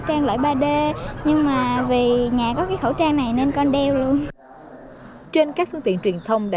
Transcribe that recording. trang loại ba d nhưng mà về nhà có cái khẩu trang này nên con đeo luôn trên các phương tiện truyền thông đã